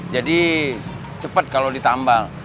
jadi cepet kalau ditambal